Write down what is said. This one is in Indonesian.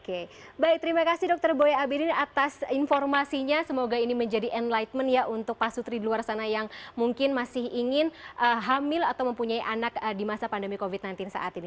oke baik terima kasih dokter boy abidin atas informasinya semoga ini menjadi enlightenment ya untuk pak sutri di luar sana yang mungkin masih ingin hamil atau mempunyai anak di masa pandemi covid sembilan belas saat ini